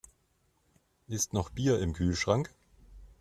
Ist noch Bier im Kühlschrank?